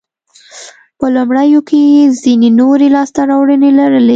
په لومړیو کې یې ځیني نورې لاسته راوړنې لرلې.